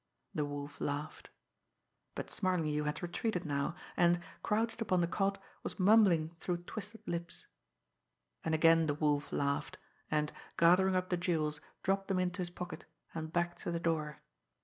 The Wolf laughed. But Smarlinghue had retreated now, and, crouched upon the cot, was mumbling through twisted lips. And again the Wolf laughed, and, gathering up the jewels, dropped them into his pocket, and backed to the door.